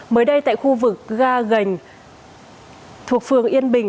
mới đây tại khu vực ga gành thuộc phường yên bình